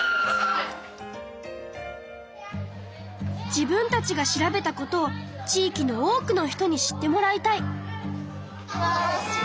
自分たちが調べたことを地いきの多くの人に知ってもらいたい。